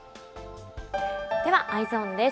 ではＥｙｅｓｏｎです。